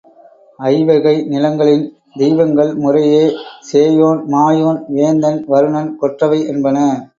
ஐவகை நிலங்களின் தெய்வங்கள் முறையே சேயோன், மாயோன், வேந்தன், வருணன், கொற்றவை என்பன.